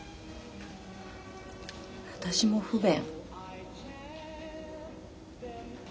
私も不便。